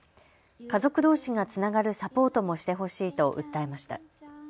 家族どうしがつながるサポートもしてほしいと訴えました。